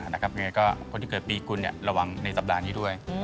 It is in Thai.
นะครับอย่างไรก็คนที่เกิดปีกุลเนี่ยระวังในสัปดาห์นี้ด้วย